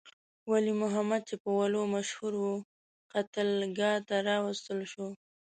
ولی محمد چې په ولو مشهور وو، قتلګاه ته راوستل شو.